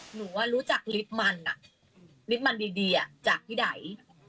หนูว่ารู้จักลิฟต์มันลิฟต์มันดีจากพี่ได